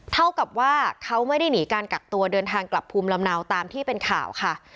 เท่ากับว่าเขาไม่ได้หนีการกักตัวเดินทางกลับภูมิลำเนาตามที่เป็นข่าวค่ะ